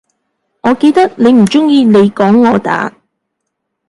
我記得你唔鍾意你講我打